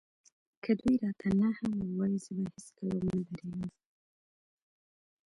که دوی راته نه هم ووايي زه به هېڅکله ونه درېږم.